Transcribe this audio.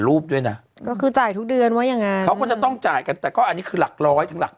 แล้วจ่ายใครอ่ะ